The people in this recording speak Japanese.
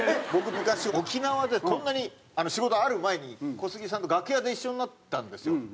僕昔沖縄でこんなに仕事ある前に小杉さんと楽屋で一緒になったんですよ。